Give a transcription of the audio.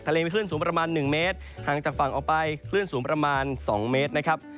เลมีคลื่นสูงประมาณ๑เมตรห่างจากฝั่งออกไปคลื่นสูงประมาณ๒เมตรนะครับ